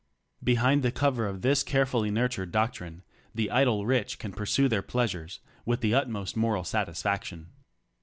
Behind the cover of this carefully nurtured doc trine, the idle rich can pursue their pleasures with the utmost moral satisfaction.